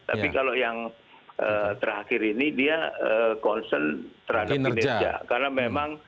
tapi kalau yang terakhir ini dia concern terhadap kinerja